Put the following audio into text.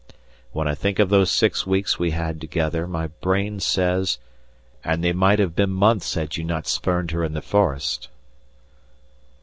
When I think of those six weeks we had together, my brain says, "And they might have been months had you not spurned her in the forest."